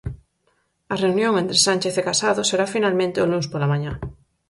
A reunión entre Sánchez e Casado será finalmente o luns pola mañá.